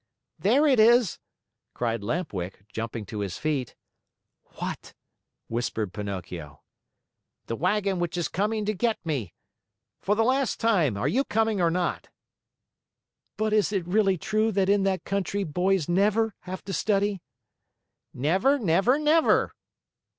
"There it is!" cried Lamp Wick, jumping to his feet. "What?" whispered Pinocchio. "The wagon which is coming to get me. For the last time, are you coming or not?" "But is it really true that in that country boys never have to study?" "Never, never, never!"